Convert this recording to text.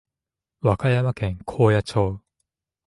和歌山県高野町